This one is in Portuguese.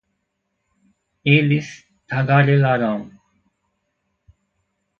eles tagarelarão